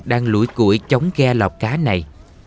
đang lũi củi chống ghe lọc cá này